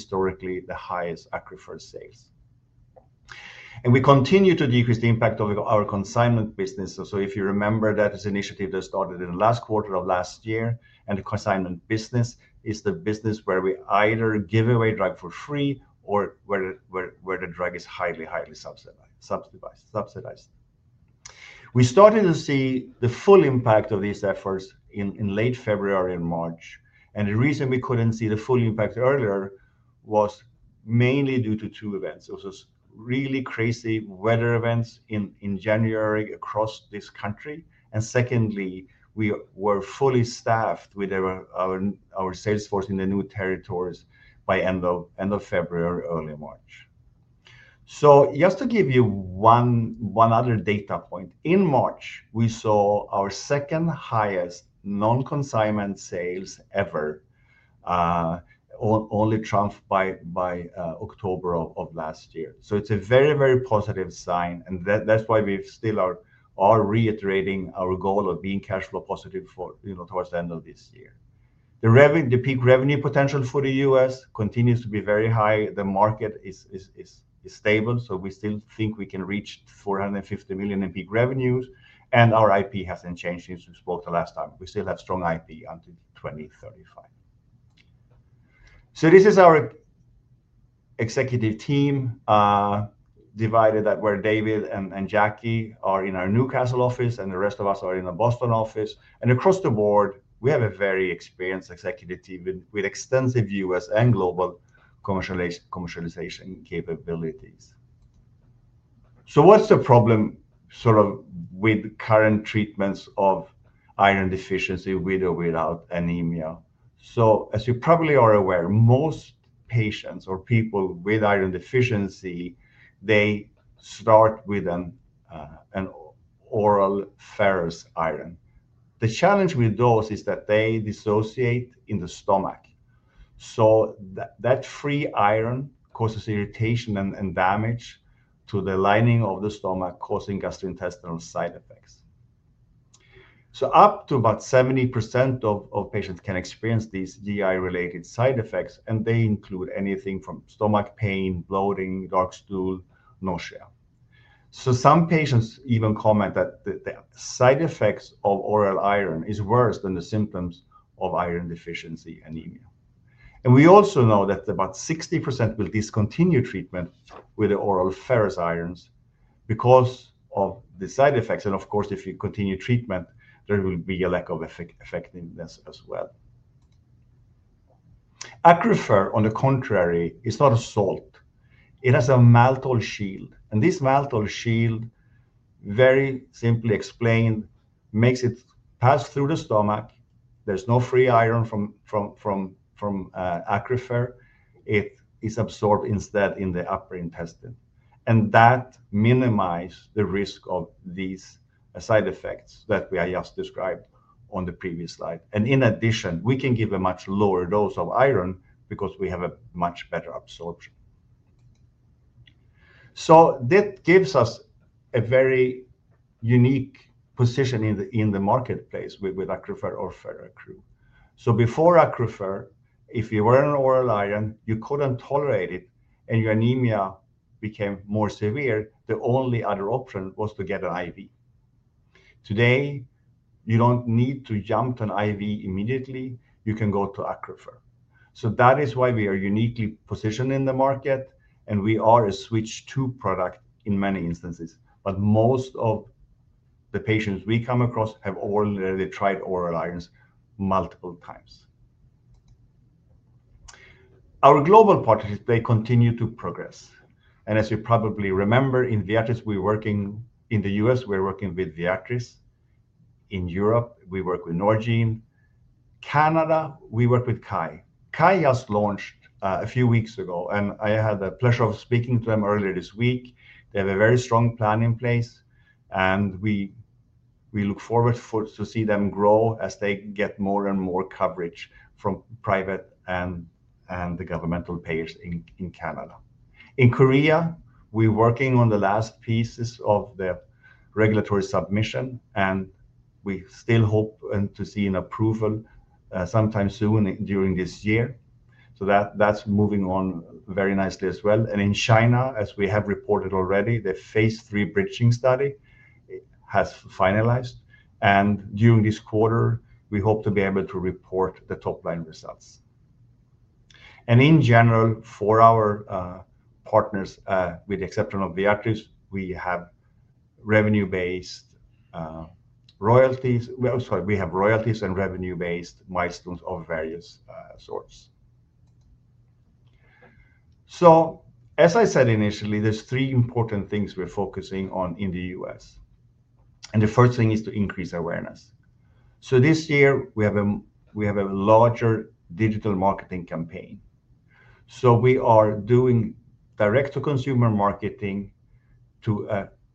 Historically, the highest ACCRUFeR sales. We continue to decrease the impact of our consignment business. If you remember, that is an initiative that started in the last quarter of last year. The consignment business is the business where we either give away drugs for free or where the drug is highly, highly subsidized. We started to see the full impact of these efforts in late February and March. The reason we could not see the full impact earlier was mainly due to two events. It was really crazy weather events in January across this country. Secondly, we were fully staffed with our sales force in the new territories by the end of February, early March. Just to give you one other data point, in March, we saw our second highest non-consignment sales ever, only trumped by October of last year. It is a very, very positive sign. That is why we still are reiterating our goal of being cash flow positive towards the end of this year. The peak revenue potential for the US continues to be very high. The market is stable. We still think we can reach $450 million in peak revenues. Our IP has not changed since we spoke the last time. We still have strong IP until 2035. This is our executive team divided where David and Jackie are in our Newcastle office, and the rest of us are in the Boston office. Across the board, we have a very experienced executive team with extensive US and global commercialization capabilities. What is the problem with current treatments of iron deficiency with or without anemia? As you probably are aware, most patients or people with iron deficiency, they start with an oral ferrous iron. The challenge with those is that they dissociate in the stomach. That free iron causes irritation and damage to the lining of the stomach, causing gastrointestinal side effects. Up to about 70% of patients can experience these GI-related side effects. They include anything from stomach pain, bloating, dark stool, nausea. Some patients even comment that the side effects of oral iron are worse than the symptoms of iron deficiency anemia. We also know that about 60% will discontinue treatment with the oral ferrous irons because of the side effects. Of course, if you continue treatment, there will be a lack of effectiveness as well. ACCRUFeR, on the contrary, is not a salt. It has a maltol shield. This maltol shield, very simply explained, makes it pass through the stomach. There is no free iron from ACCRUFeR. It is absorbed instead in the upper intestine. That minimizes the risk of these side effects that we have just described on the previous slide. In addition, we can give a much lower dose of iron because we have a much better absorption. That gives us a very unique position in the marketplace with ACCRUFeR or Ferracru. Before ACCRUFeR, if you were on oral iron, you could not tolerate it, and your anemia became more severe, the only other option was to get an IV. Today, you do not need to jump to an IV immediately. You can go to ACCRUFeR. That is why we are uniquely positioned in the market. We are a switch-to product in many instances. Most of the patients we come across have already tried oral irons multiple times. Our global partners, they continue to progress. As you probably remember, in the US, we're working with Viatris. In Europe, we work with Norgine. In Canada, we work with Kye. Kye just launched a few weeks ago. I had the pleasure of speaking to them earlier this week. They have a very strong plan in place. We look forward to seeing them grow as they get more and more coverage from private and the governmental payers in Canada. In Korea, we're working on the last pieces of the regulatory submission. We still hope to see an approval sometime soon during this year. That is moving on very nicely as well. In China, as we have reported already, the phase III bridging study has finalized. During this quarter, we hope to be able to report the top-line results. In general, for our partners, with the exception of Viatris, we have royalties and revenue-based milestones of various sorts. As I said initially, there are three important things we are focusing on in the US. The first thing is to increase awareness. This year, we have a larger digital marketing campaign. We are doing direct-to-consumer marketing to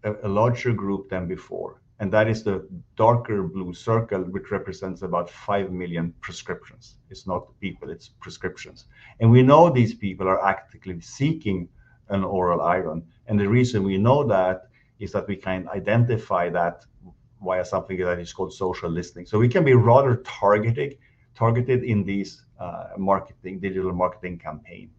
a larger group than before. That is the darker blue circle, which represents about 5 million prescriptions. It is not people, it is prescriptions. We know these people are actively seeking an oral iron. The reason we know that is that we can identify that via something that is called social listening. We can be rather targeted in this digital marketing campaign.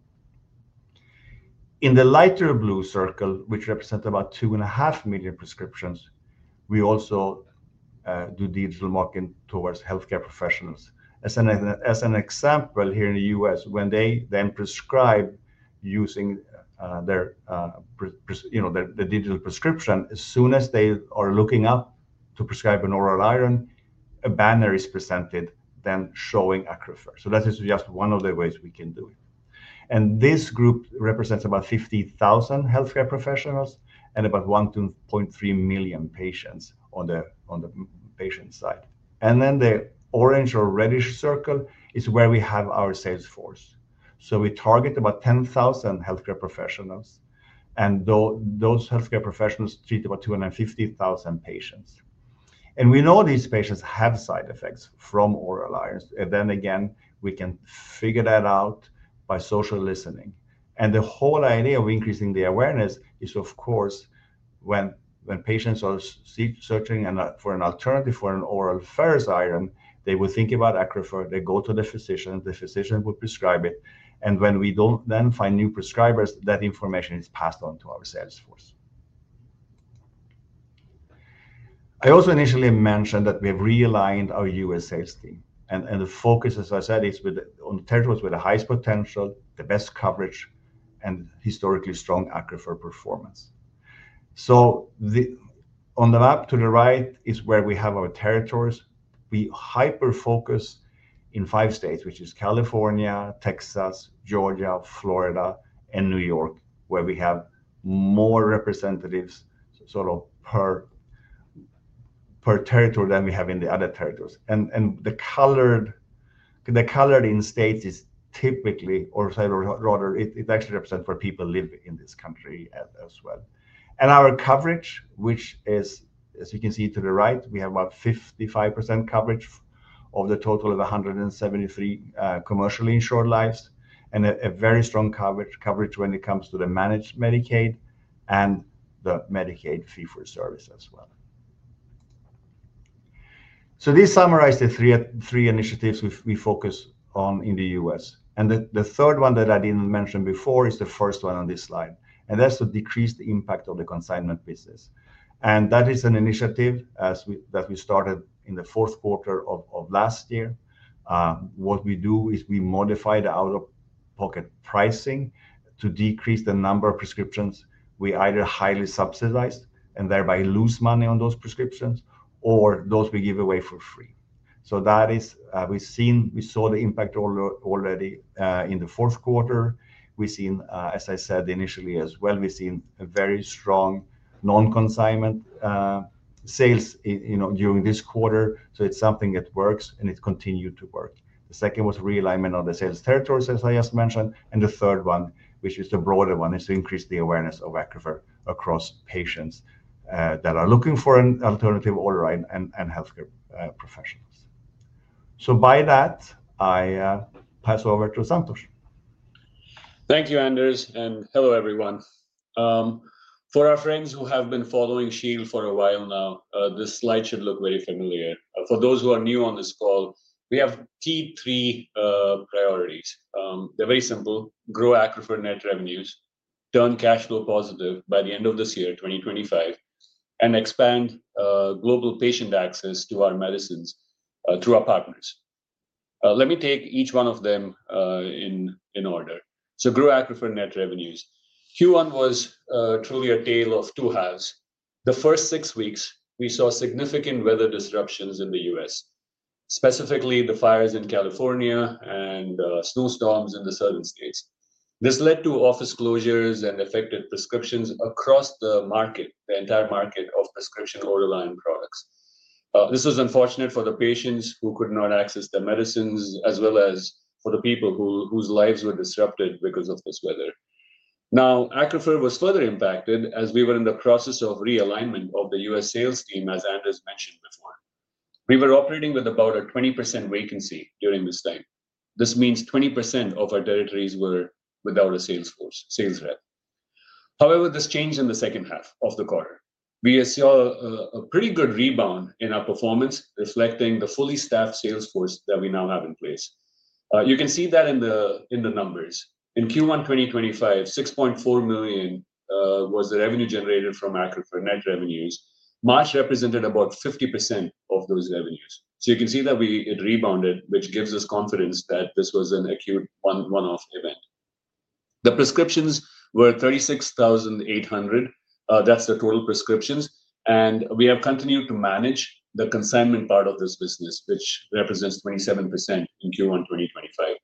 In the lighter blue circle, which represents about 2.5 million prescriptions, we also do digital marketing towards healthcare professionals. As an example, here in the U.S., when they then prescribe using the digital prescription, as soon as they are looking up to prescribe an oral iron, a banner is presented then showing ACCRUFeR. That is just one of the ways we can do it. This group represents about 50,000 healthcare professionals and about 1.3 million patients on the patient side. The orange or reddish circle is where we have our sales force. We target about 10,000 healthcare professionals. Those healthcare professionals treat about 250,000 patients. We know these patients have side effects from oral irons. We can figure that out by social listening. The whole idea of increasing the awareness is, of course, when patients are searching for an alternative for an oral ferrous iron, they will think about ACCRUFeR. They go to the physician. The physician will prescribe it. When we do not then find new prescribers, that information is passed on to our sales force. I also initially mentioned that we have realigned our US sales team. The focus, as I said, is on territories with the highest potential, the best coverage, and historically strong ACCRUFeR performance. On the map to the right is where we have our territories. We hyper-focused in five states, which are California, Texas, Georgia, Florida, and New York, where we have more representatives per territory than we have in the other territories. The colored in states is typically, or rather, it actually represents where people live in this country as well. Our coverage, which is, as you can see to the right, we have about 55% coverage of the total of 173 million commercially insured lives. A very strong coverage when it comes to the managed Medicaid and the Medicaid Fee for Service as well. These summarize the three initiatives we focus on in the US. The third one that I did not mention before is the first one on this slide. That is to decrease the impact of the consignment business. That is an initiative that we started in the fourth quarter of last year. What we do is we modify the out-of-pocket pricing to decrease the number of prescriptions we either highly subsidize and thereby lose money on those prescriptions or those we give away for free. That is, we saw the impact already in the fourth quarter. We've seen, as I said initially as well, we've seen very strong non-consignment sales during this quarter. It is something that works and it continued to work. The second was realignment of the sales territories, as I just mentioned. The third one, which is the broader one, is to increase the awareness of ACCRUFeR across patients that are looking for an alternative order and healthcare professionals. By that, I pass over to Santosh. Thank you, Anders. Hello, everyone. For our friends who have been following Shield for a while now, this slide should look very familiar. For those who are new on this call, we have three key priorities. They are very simple. Grow ACCRUFeR net revenues, turn cash flow positive by the end of this year, 2025, and expand global patient access to our medicines through our partners. Let me take each one of them in order. Grow ACCRUFeR net revenues. Q1 was truly a tale of two halves. The first six weeks, we saw significant weather disruptions in the U.S., specifically the fires in California and snowstorms in the southern states. This led to office closures and affected prescriptions across the market, the entire market of prescription oral iron products. This was unfortunate for the patients who could not access their medicines, as well as for the people whose lives were disrupted because of this weather. Now, ACCRUFeR was further impacted as we were in the process of realignment of the US sales team, as Anders mentioned before. We were operating with about a 20% vacancy during this time. This means 20% of our territories were without a sales force, sales rep. However, this changed in the second half of the quarter. We saw a pretty good rebound in our performance, reflecting the fully staffed sales force that we now have in place. You can see that in the numbers. In Q1 2025, $6.4 million was the revenue generated from ACCRUFeR net revenues. March represented about 50% of those revenues. You can see that it rebounded, which gives us confidence that this was an acute one-off event. The prescriptions were 36,800. That's the total prescriptions. We have continued to manage the consignment part of this business, which represents 27% in Q1 2025.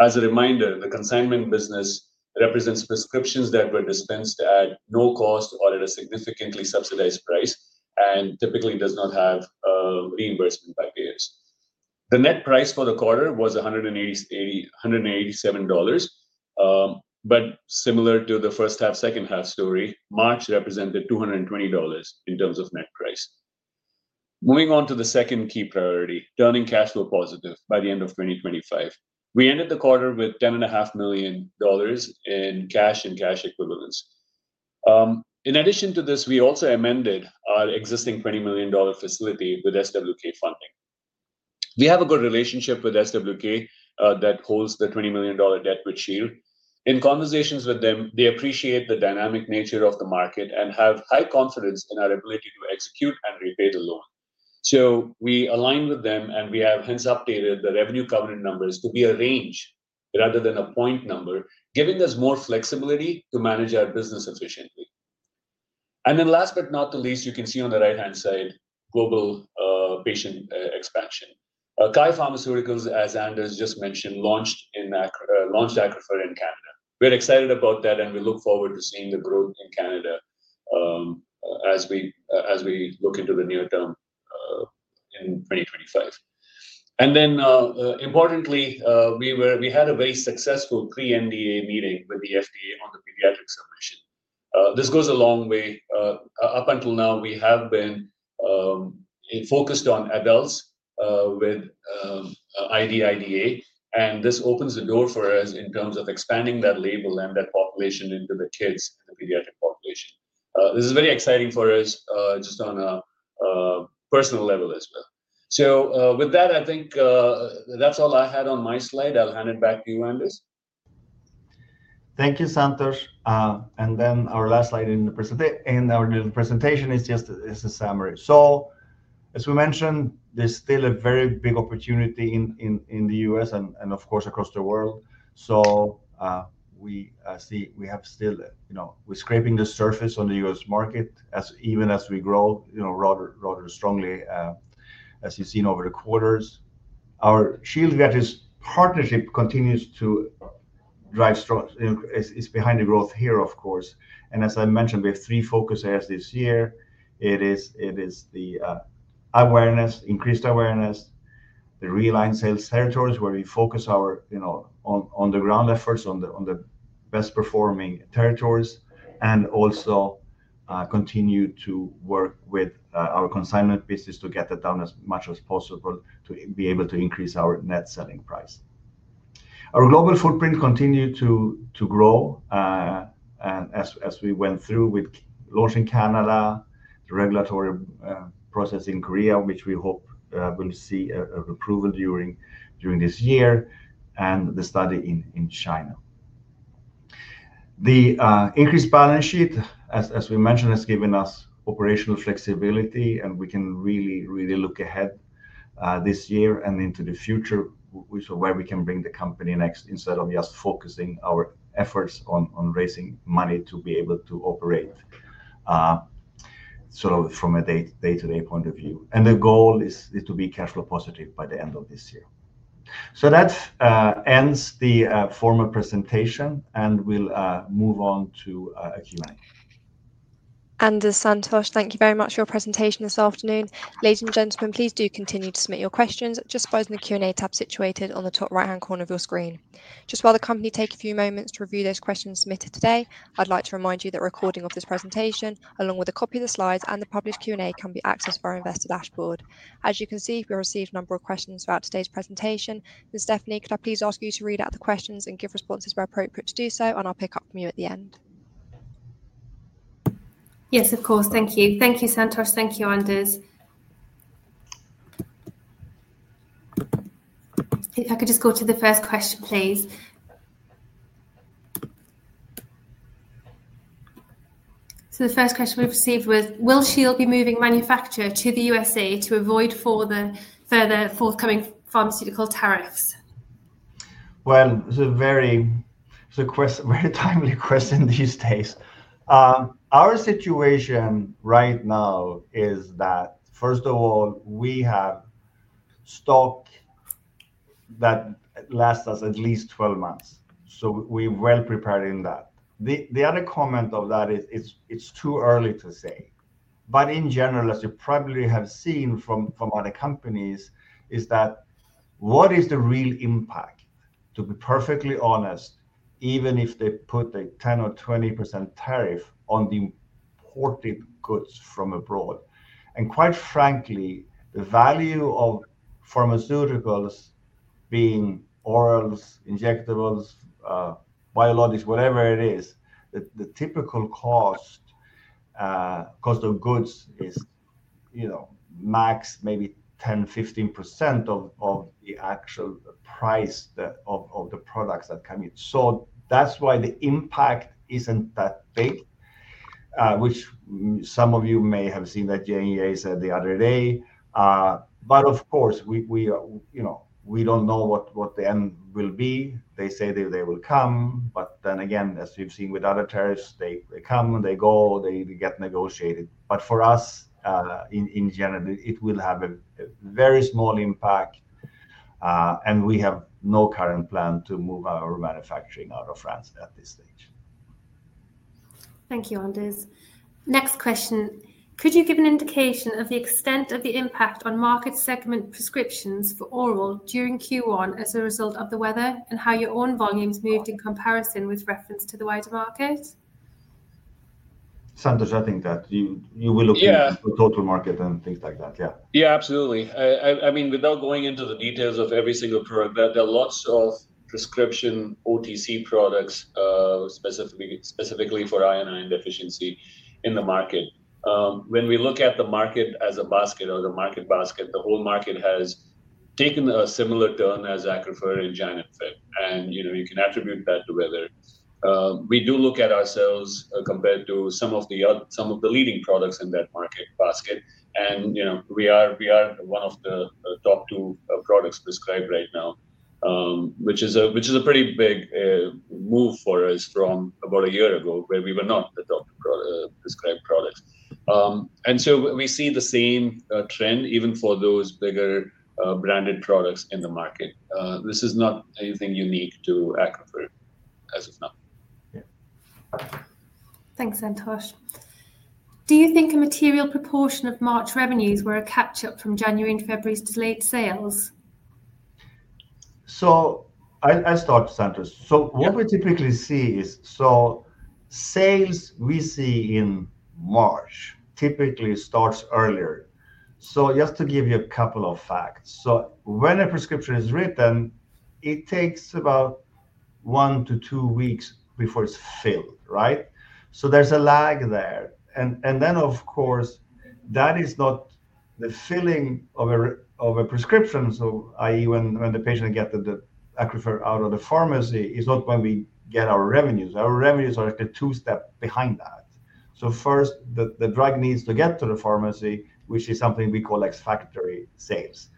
As a reminder, the consignment business represents prescriptions that were dispensed at no cost or at a significantly subsidized price and typically does not have reimbursement by payers. The net price for the quarter was $187. Similar to the first half, second half story, March represented $220 in terms of net price. Moving on to the second key priority, turning cash flow positive by the end of 2025. We ended the quarter with $10.5 million in cash and cash equivalents. In addition to this, we also amended our existing $20 million facility with SWK Funding. We have a good relationship with SWK that holds the $20 million debt with Shield. In conversations with them, they appreciate the dynamic nature of the market and have high confidence in our ability to execute and repay the loan. We aligned with them, and we have hence updated the revenue covenant numbers to be a range rather than a point number, giving us more flexibility to manage our business efficiently. Last but not the least, you can see on the right-hand side, global patient expansion. Kye Pharmaceuticals, as Anders just mentioned, launched ACCRUFeR in Canada. We are excited about that, and we look forward to seeing the growth in Canada as we look into the near term in 2025. Importantly, we had a very successful pre-MDA meeting with the FDA on the pediatric submission. This goes a long way. Up until now, we have been focused on adults with ID/IDA. This opens the door for us in terms of expanding that label and that population into the kids in the pediatric population. This is very exciting for us just on a personal level as well. With that, I think that's all I had on my slide. I'll hand it back to you, Anders. Thank you, Santosh. Our last slide in the presentation is just a summary. As we mentioned, there is still a very big opportunity in the US and, of course, across the world. We are still scraping the surface on the US market, even as we grow rather strongly, as you have seen over the quarters. Our Shield-Viatris partnership continues to drive strong. It is behind the growth here, of course. As I mentioned, we have three focus areas this year. It is the awareness, increased awareness, the realigned sales territories where we focus our on-the-ground efforts on the best-performing territories, and also continue to work with our consignment business to get that down as much as possible to be able to increase our net selling price. Our global footprint continued to grow as we went through with launching Canada, the regulatory process in Korea, which we hope we'll see approval during this year, and the study in China. The increased balance sheet, as we mentioned, has given us operational flexibility, and we can really, really look ahead this year and into the future, which is where we can bring the company next instead of just focusing our efforts on raising money to be able to operate from a day-to-day point of view. The goal is to be cash flow positive by the end of this year. That ends the formal presentation, and we'll move on to a Q&A. Anders, Santosh, thank you very much for your presentation this afternoon. Ladies and gentlemen, please do continue to submit your questions just by using the Q&A tab situated on the top right-hand corner of your screen. Just while the company takes a few moments to review those questions submitted today, I'd like to remind you that recording of this presentation, along with a copy of the slides and the published Q&A, can be accessed via our investor dashboard. As you can see, we received a number of questions throughout today's presentation. Stephanie, could I please ask you to read out the questions and give responses where appropriate to do so, and I'll pick up from you at the end? Yes, of course. Thank you. Thank you, Santosh. Thank you, Anders. If I could just go to the first question, please. The first question we received was, will Shield be moving manufacture to the USA to avoid further forthcoming pharmaceutical tariffs? It is a very timely question these days. Our situation right now is that, first of all, we have stock that lasts us at least 12 months. We are well prepared in that. The other comment of that is it is too early to say. In general, as you probably have seen from other companies, what is the real impact, to be perfectly honest, even if they put a 10% or 20% tariff on the imported goods from abroad? Quite frankly, the value of pharmaceuticals, being orals, injectables, biologics, whatever it is, the typical cost of goods is max, maybe 10%-15% of the actual price of the products that come in. That is why the impact is not that big, which some of you may have seen that JNEA said the other day. Of course, we do not know what the end will be. They say they will come. Then again, as you've seen with other tariffs, they come and they go. They get negotiated. For us, in general, it will have a very small impact. We have no current plan to move our manufacturing out of France at this stage. Thank you, Anders. Next question. Could you give an indication of the extent of the impact on market segment prescriptions for oral during Q1 as a result of the weather and how your own volumes moved in comparison with reference to the wider market? Santosh, I think that you will look into the total market and things like that. Absolutely. I mean, without going into the details of every single product, there are lots of prescription OTC products, specifically for iron deficiency in the market. When we look at the market as a basket or the market basket, the whole market has taken a similar turn as ACCRUFeR in Jan and Feb. You can attribute that to weather. We do look at ourselves compared to some of the leading products in that market basket. We are one of the top two products prescribed right now, which is a pretty big move for us from about a year ago where we were not the top prescribed products. We see the same trend even for those bigger branded products in the market. This is not anything unique to ACCRUFeR as of now. Thanks, Santosh. Do you think a material proportion of March revenues were a catch-up from January and February's delayed sales? I'll start, Santosh. What we typically see is, sales we see in March typically starts earlier. Just to give you a couple of facts. When a prescription is written, it takes about one to two weeks before it's filled, right? There's a lag there. Of course, that is not the filling of a prescription, so i.e., when the patient gets the ACCRUFeR out of the pharmacy, it's not when we get our revenues. Our revenues are actually two steps behind that. First, the drug needs to get to the pharmacy, which is something we call Ex-factory sales.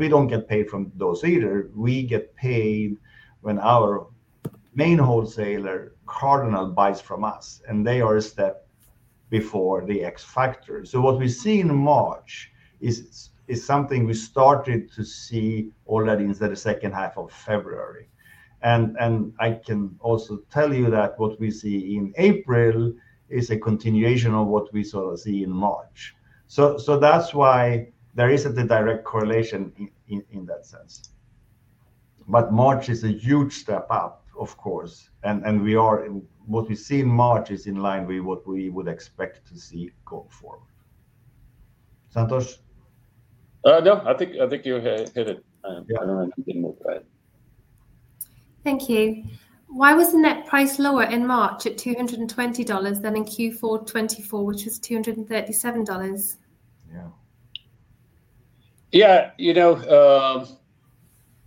We don't get paid from those either. We get paid when our main wholesaler, Cardinal, buys from us. They are a step before the Ex-factory. What we see in March is something we started to see already in the second half of February. I can also tell you that what we see in April is a continuation of what we sort of see in March. That is why there is not a direct correlation in that sense. March is a huge step up, of course. What we see in March is in line with what we would expect to see going forward. Santosh? No, I think you hit it. I don't have anything more to add. Thank you. Why was the net price lower in March at $220 than in Q4 2024, which was $237? Yeah. You know,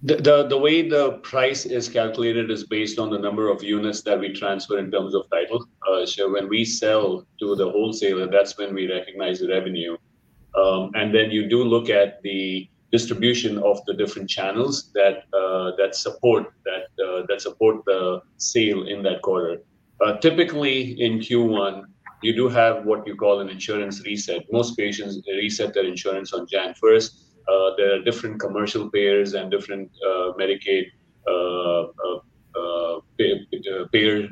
the way the price is calculated is based on the number of units that we transfer in terms of title. When we sell to the wholesaler, that's when we recognize the revenue. You do look at the distribution of the different channels that support the sale in that quarter. Typically, in Q1, you do have what you call an insurance reset. Most patients reset their insurance on January 1st. There are different commercial payers and different Medicaid payer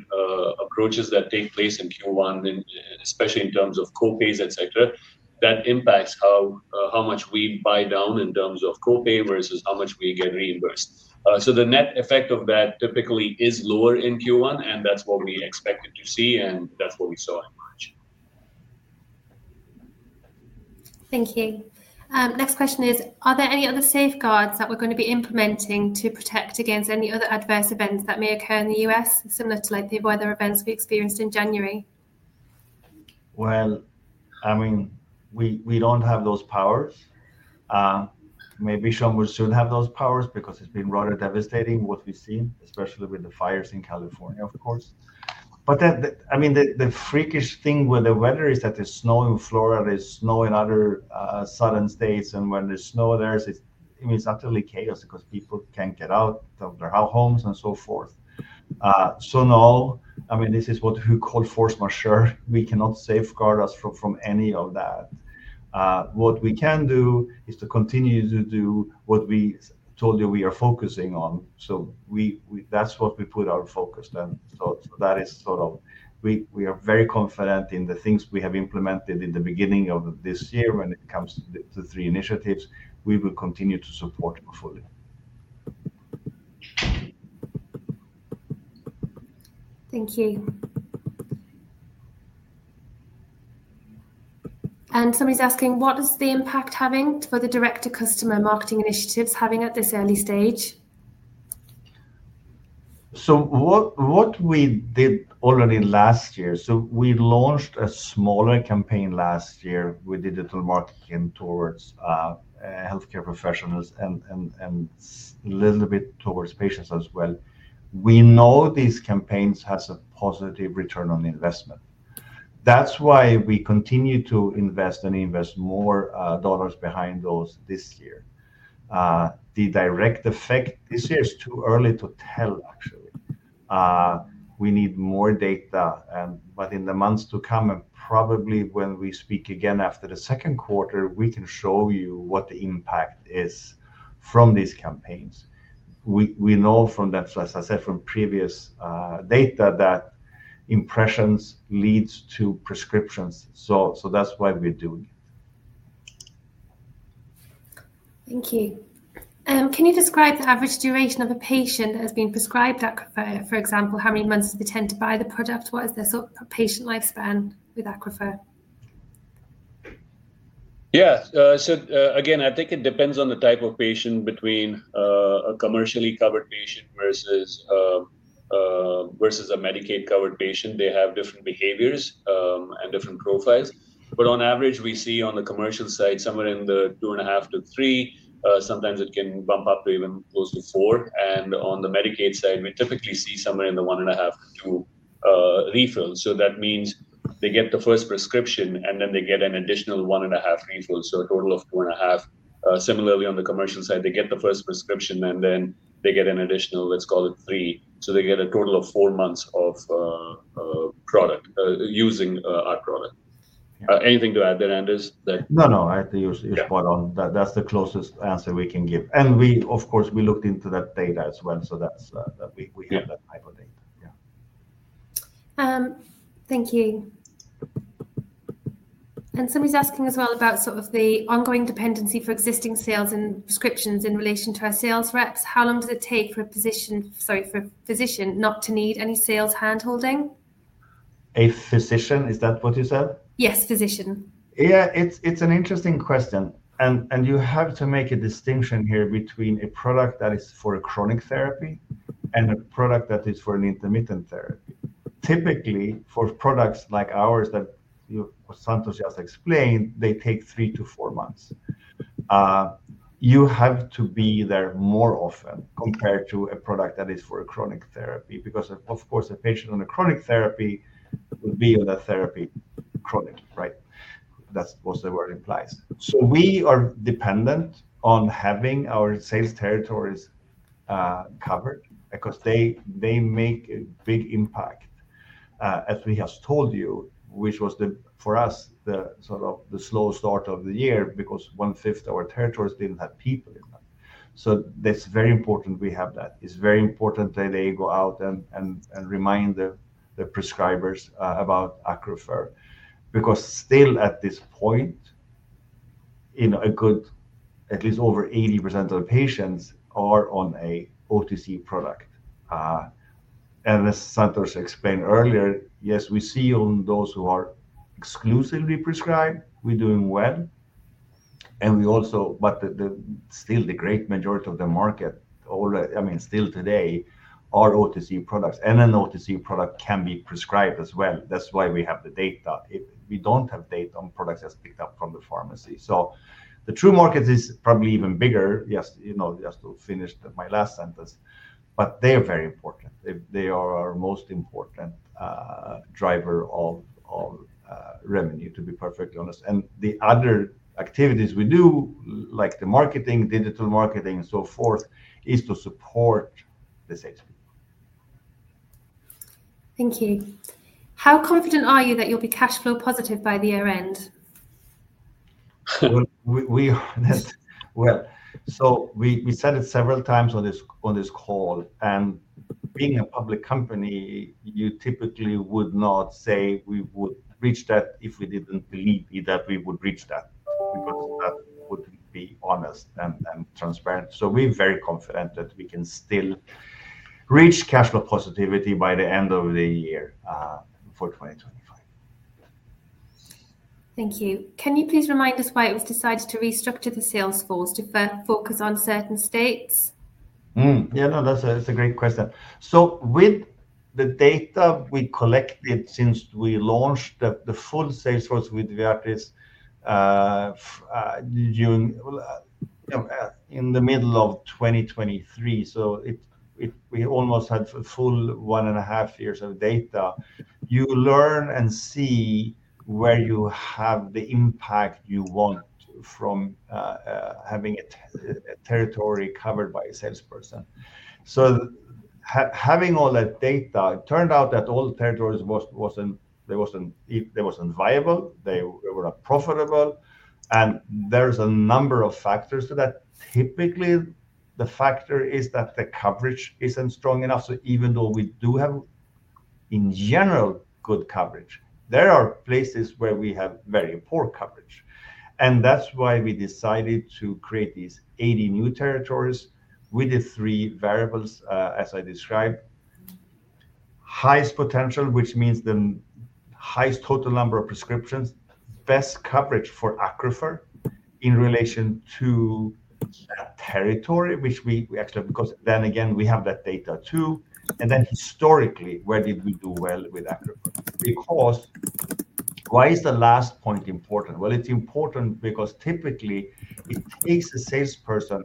approaches that take place in Q1, especially in terms of copays, etc. That impacts how much we buy down in terms of copay versus how much we get reimbursed. The net effect of that typically is lower in Q1, and that's what we expected to see, and that's what we saw in March. Thank you. Next question is, are there any other safeguards that we're going to be implementing to protect against any other adverse events that may occur in the US, similar to the weather events we experienced in January? We do not have those powers. Maybe some will soon have those powers because it has been rather devastating, what we have seen, especially with the fires in California, of course. The freakish thing with the weather is that there is snow in Florida, there is snow in other southern states. When there is snow there, it means absolute chaos because people cannot get out of their households and so forth. No, this is what we call force majeure. We cannot safeguard ourselves from any of that. What we can do is to continue to do what we told you we are focusing on. That is what we put our focus on. That is, we are very confident in the things we have implemented in the beginning of this year when it comes to the three initiatives. We will continue to support fully. Thank you. Somebody's asking, what is the impact having for the direct-to-customer marketing initiatives having at this early stage? What we did already last year, we launched a smaller campaign last year with digital marketing towards healthcare professionals and a little bit towards patients as well. We know these campaigns have a positive return on investment. That's why we continue to invest and invest more dollars behind those this year. The direct effect this year is too early to tell, actually. We need more data, but in the months to come, and probably when we speak again after the second quarter, we can show you what the impact is from these campaigns. We know from, as I said, from previous data that impressions lead to prescriptions. That's why we're doing it. Thank you. Can you describe the average duration of a patient that has been prescribed ACCRUFeR? For example, how many months do they tend to buy the product? What is their patient lifespan with ACCRUFeR? Again, I think it depends on the type of patient, between a commercially-covered patient versus a Medicaid-covered patient. They have different behaviors and different profiles. On average, we see on the commercial side, somewhere in the two and a half to three. Sometimes it can bump up to even close to four. On the Medicaid side, we typically see somewhere in the one and a half to two refills. That means they get the first prescription, and then they get an additional one and a half refills, so a total of two and a half. Similarly, on the commercial side, they get the first prescription, and then they get an additional, let's call it three. They get a total of four months of product using our product. Anything to add there, Anders, that? No, no. I think you're spot on. That's the closest answer we can give. We, of course, looked into that data as well. We have that type of data. Thank you. Somebody's asking as well about sort of the ongoing dependency for existing sales and prescriptions in relation to our sales reps. How long does it take for a physician not to need any sales handholding? A physician, is that what you said? Yes, physician. It's an interesting question. You have to make a distinction here between a product that is for a chronic therapy and a product that is for an intermittent therapy. Typically, for products like ours that Santosh just explained, they take three to four months. You have to be there more often compared to a product that is for a chronic therapy because, of course, a patient on a chronic therapy would be on that therapy chronically. That's what the word implies. We are dependent on having our sales territories covered because they make a big impact, as we have told you, which was for us sort of the slow start of the year because one-fifth of our territories didn't have people in them. That's very important we have that. It's very important that they go out and remind the prescribers about ACCRUFeR because still at this point, at least over 80% of the patients are on an OTC product. As Santosh explained earlier, yes, we see on those who are exclusively prescribed, we're doing well. Still the great majority of the market, still today, are OTC products. An OTC product can be prescribed as well. That's why we have the data. We don't have data on products just picked up from the pharmacy. The true market is probably even bigger, just to finish my last sentence. They are very important. They are our most important driver of revenue, to be perfectly honest. The other activities we do, like the marketing, digital marketing, and so forth, is to support the salespeople. Thank you. How confident are you that you'll be cash flow positive by the year end? We said it several times on this call. Being a public company, you typically would not say we would reach that if we did not believe that we would reach that because that would not be honest and transparent. We are very confident that we can still reach cash flow positivity by the end of the year for 2025. Thank you. Can you please remind us why it was decided to restructure the sales force to focus on certain states? That's a great question. With the data we collected since we launched the full sales force with Viatris in the middle of 2023, we almost had a full one and a half years of data. You learn and see where you have the impact you want from having a territory covered by a salesperson. Having all that data, it turned out that all territories were not viable. They were not profitable. There are a number of factors to that. Typically, the factor is that the coverage isn't strong enough. Even though we do have, in general, good coverage, there are places where we have very poor coverage. That's why we decided to create these 80 new territories with the three variables, as I described. Highest potential, which means the highest total number of prescriptions, best coverage for ACCRUFeR in relation to that territory, which we actually have because then again, we have that data too. Historically, where did we do well with ACCRUFeR? Why is the last point important? It is important because typically, it takes a salesperson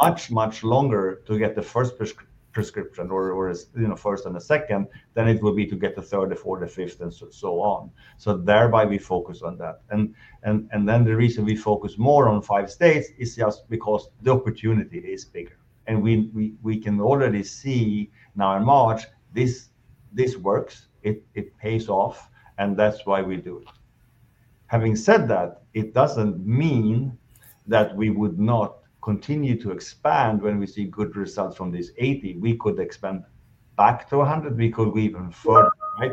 much, much longer to get the first prescription or first and the second than it would be to get the third, the fourth, the fifth, and so on. Thereby, we focus on that. The reason we focus more on five states is just because the opportunity is bigger. We can already see now in March, this works. It pays off. That is why we do it. Having said that, it does not mean that we would not continue to expand when we see good results from these 80. We could expand back to 100. We could go even further, right?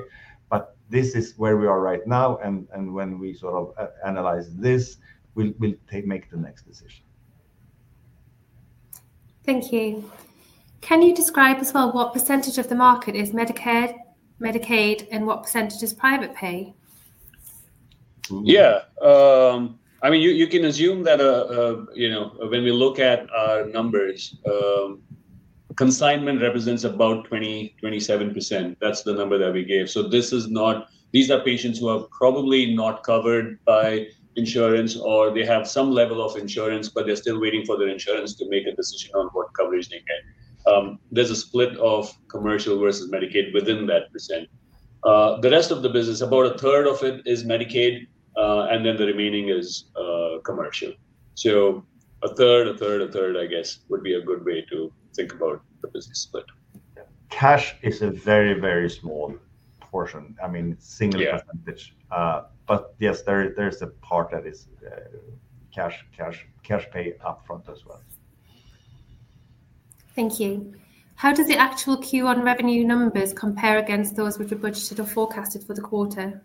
This is where we are right now. When we sort of analyze this, we'll make the next decision. Thank you. Can you describe as well what percentage of the market is Medicare, Medicaid, and what percentage is private pay? Yeah. I mean, you can assume that when we look at our numbers, consignment represents about 27%. That's the number that we gave. These are patients who are probably not covered by insurance, or they have some level of insurance, but they're still waiting for their insurance to make a decision on what coverage they get. There's a split of commercial versus Medicaid within that percent. The rest of the business, about a third of it is Medicaid, and then the remaining is commercial. A third, a third, a third, I guess, would be a good way to think about the business split. Cash is a very, very small portion. I mean, it's a single percentage. Yes, there's a part that is cash pay upfront as well. Thank you. How does the actual Q1 revenue numbers compare against those which were budgeted or forecasted for the quarter?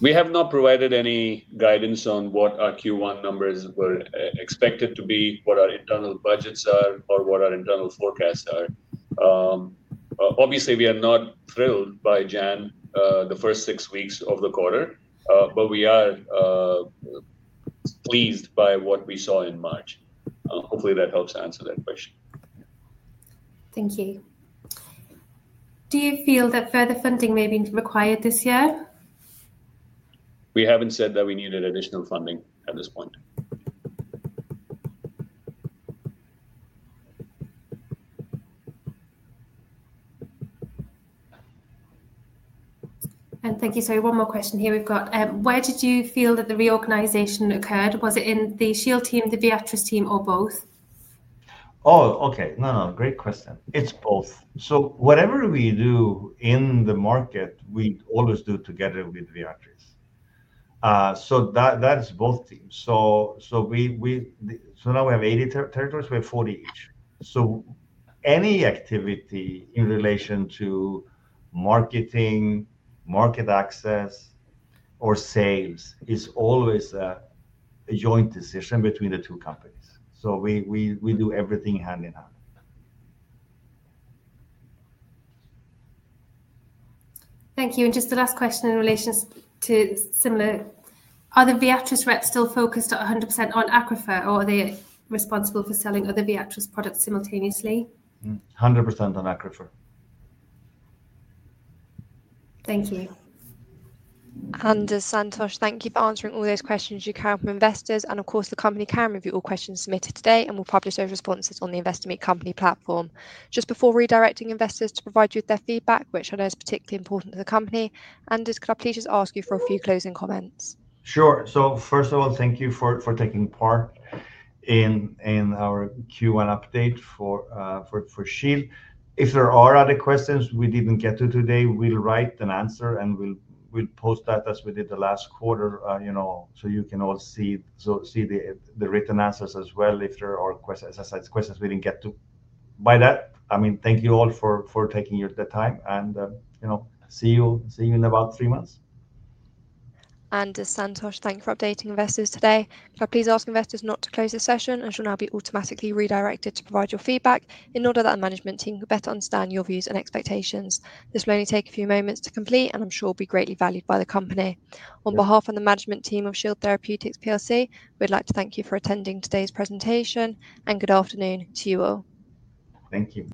We have not provided any guidance on what our Q1 numbers were expected to be, what our internal budgets are, or what our internal forecasts are. Obviously, we are not thrilled by Jan, the first six weeks of the quarter, but we are pleased by what we saw in March. Hopefully, that helps answer that question. Thank you. Do you feel that further funding may be required this year? We haven't said that we needed additional funding at this point. Thank you. Sorry, one more question here. We've got where did you feel that the reorganization occurred? Was it in the Shield team, the Viatris team, or both? Great question. It's both. Whatever we do in the market, we always do together with Viatris. That's both teams. Now we have 80 territories. We have 40 each. Any activity in relation to marketing, market access, or sales is always a joint decision between the two companies. We do everything hand in hand. Thank you. Just the last question in relation to similar, are the Viatris reps still focused at 100% on ACCRUFeR, or are they responsible for selling other Viatris products simultaneously? 100% on ACCRUFeR. Thank you. Anders, Santosh, thank you for answering all those questions you can from investors. Of course, the company can review all questions submitted today and will publish those responses on the Investor Meet Company platform. Just before redirecting investors to provide you with their feedback, which I know is particularly important to the company, Anders, could I please just ask you for a few closing comments? Sure. First of all, thank you for taking part in our Q1 update for Shield. If there are other questions we did not get to today, we will write an answer, and we will post that as we did the last quarter so you can all see the written answers as well if there are questions, as I said, questions we did not get to. By that, I mean, thank you all for taking the time. See you in about three months. Santosh, thank you for updating investors today. Could I please ask investors not to close the session, and you should now be automatically redirected to provide your feedback in order that our management team can better understand your views and expectations? This will only take a few moments to complete, and I'm sure will be greatly valued by the company. On behalf of the management team of Shield Therapeutics plc, we'd like to thank you for attending today's presentation, and good afternoon to you all. Thank you.